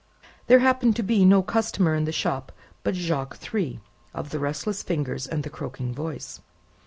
There happened to be no customer in the shop but Jacques Three, of the restless fingers and the croaking voice.